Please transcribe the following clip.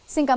xin cảm ơn